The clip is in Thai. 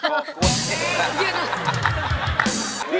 กอกก้วย